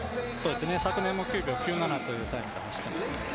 昨年も９秒９７というタイムで走っていますね。